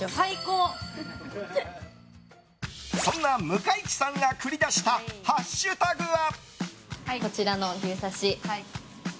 そんな向井地さんが繰り出したハッシュタグは。